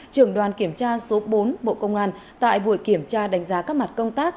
trường đoàn kiểm tra số bốn bộ công an tại buổi kiểm tra đánh giá các mặt công tác